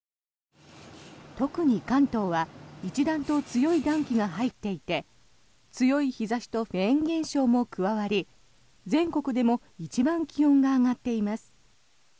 特に関東は一段と強い暖気が入っていて強い日差しとフェーン現象も加わり全国でも一番気温が上がっています。